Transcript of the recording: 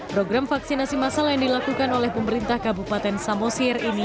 program vaksinasi masal yang dilakukan oleh pemerintah kabupaten samosir ini